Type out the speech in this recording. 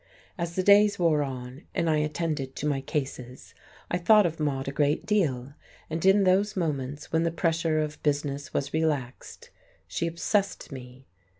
As the days wore on, and I attended to my cases, I thought of Maude a great deal, and in those moments when the pressure of business was relaxed, she obsessed me.